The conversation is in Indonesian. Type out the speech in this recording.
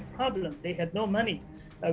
mereka tidak memiliki uang